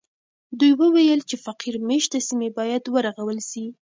دوی وویل چې فقیر مېشته سیمې باید ورغول سي.